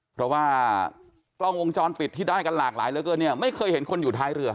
เพราะว่ากล้องวงจรปิดที่ได้กันหลากหลายเหลือเกินเนี่ยไม่เคยเห็นคนอยู่ท้ายเรือ